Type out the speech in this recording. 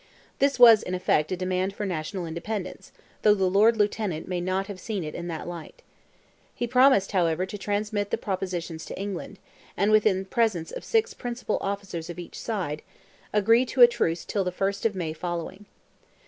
This was, in effect, a demand for national independence, though the Lord Lieutenant may not have seen it in that light. He promised, however, to transmit the propositions to England, and within presence of six principal officers of each side, agreed to a truce till the 1st of May following.